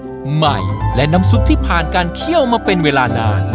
ใหม่และน้ำซุปที่ผ่านการเคี่ยวมาเป็นเวลานาน